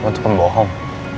lo tuh pembohong